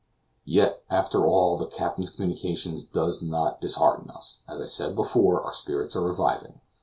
Yet, after all, the captain's communication does not dishearten us. As I said before, our spirits are reviving.